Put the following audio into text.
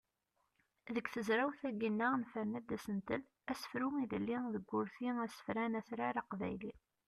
Deg tezrawt-agi-nneɣ nefren-d asentel: asefru ilelli deg urti asefran atrar aqbayli.